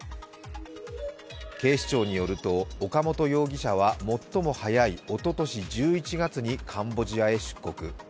警視庁によると、岡本容疑者は最も早いおととし１１月にカンボジアへ出国。